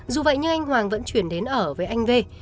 dù vậy nhưng anh hoàng vẫn chuyển đến ở với anh v